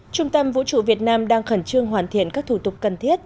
trung tâm vũ trụ việt nam đang khẩn trương hoàn thiện các thủ tục cần thiết